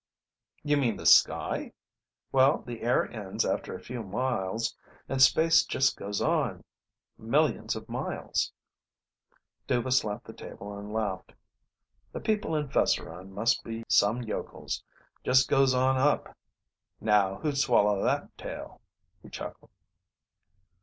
"You mean the sky? Well, the air ends after a few miles and space just goes on millions of miles " Dhuva slapped the table and laughed. "The people in Fesseron must be some yokels! Just goes on up; now who'd swallow that tale?" He chuckled.